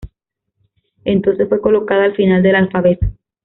Entonces fue colocada al final del alfabeto.